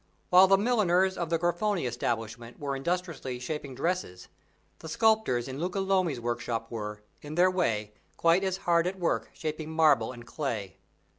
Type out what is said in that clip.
While the milliners of the Grifoni establishment were industriously shaping dresses, the sculptors in Luca Lomi's workshop were, in their way, quite as hard at work shaping marble and clay.